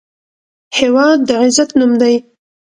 هېواد د عزت نوم دی.